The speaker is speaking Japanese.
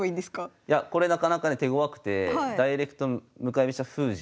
いやこれなかなかね手ごわくてダイレクト向かい飛車封じ。